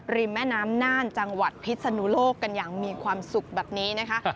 แม่น้ำน่านจังหวัดพิศนุโลกกันอย่างมีความสุขแบบนี้นะคะ